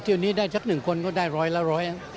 เที่ยวนี้ได้จักรหนึ่งคนก็ได้ร้อยละร้อย